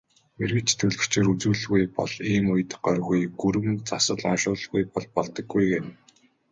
Мэргэч төлгөчөөр үзүүлэлгүй бол ийм үед горьгүй, гүрэм засал уншуулалгүй бол болдоггүй гэнэ.